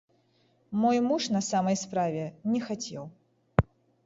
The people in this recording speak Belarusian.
Мой муж, на самай справе, не хацеў.